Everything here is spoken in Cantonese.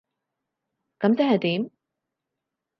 噉即係點？